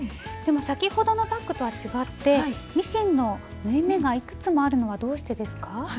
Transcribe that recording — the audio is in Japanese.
でも先ほどのバッグとは違ってミシンの縫い目がいくつもあるのはどうしてですか？